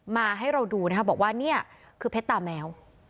มาให้เราดูนะคะบอกว่าเนี่ยคือเพชรตาแมว